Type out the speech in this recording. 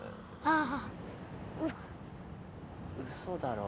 嘘だろ。